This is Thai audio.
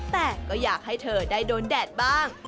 แต่ก็อยากให้เธอได้โดนแดดบ้าง